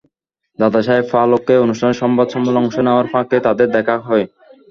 দাদাসাহেব ফালকে অনুষ্ঠানের সংবাদ সম্মেলনে অংশ নেওয়ার ফাঁকে তাঁদের দেখা হয়।